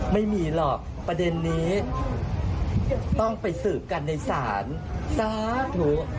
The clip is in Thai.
ไม่มีหรอกประเด็นนี้ต้องไปสืบกันในศาลสาธุ